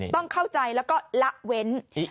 ต้องเข้าใจแล้วก็ละเว้น